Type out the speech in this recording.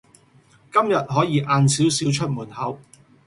今日可以晏少少出門口